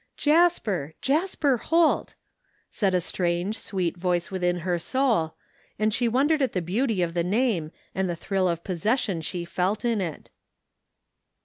" Jasper ! Jasper Holt !" said a strange sweet voice within her soul, and she wondered at the beauty of the name and the thrill of possession she felt in it.